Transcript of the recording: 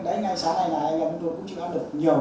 đấy ngay sáng nay là anh em của tôi cũng chỉ có được nhiều